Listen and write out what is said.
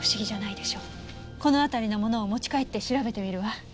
このあたりのものを持ち帰って調べてみるわ。